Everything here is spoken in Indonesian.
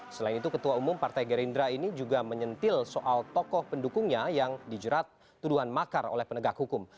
selain itu ketua umum partai gerindra ini juga menyentil soal tokoh pendukungnya yang dijerat tuduhan makar oleh penegak hukum